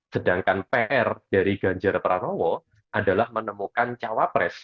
sedangkan pr dari ganjar pranowo adalah menemukan cawa pres